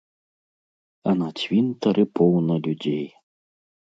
А на цвінтары поўна людзей.